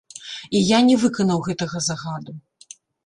І я не выканаў гэтага загаду.